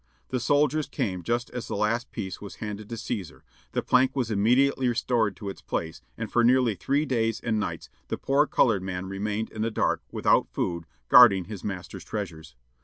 The soldiers came just as the last piece was handed to Cæsar; the plank was immediately restored to its place, and for nearly three days and nights the poor colored man remained in the dark, without food, guarding his master's treasures.